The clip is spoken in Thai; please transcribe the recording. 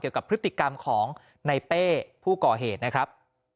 กับพฤติกรรมของในเป้ผู้ก่อเหตุนะครับ